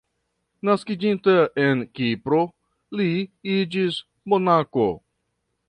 Naskiĝinta en Kipro li iĝis monako.